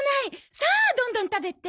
さあどんどん食べて。